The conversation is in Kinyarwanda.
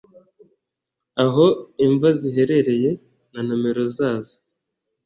aho imva ziherereye na nomero zazo